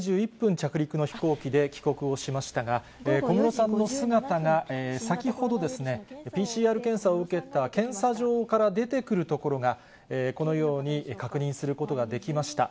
着陸の飛行機で帰国をしましたが、小室さんの姿が先ほどですね、ＰＣＲ検査を受けた検査場から出てくるところが、このように確認することができました。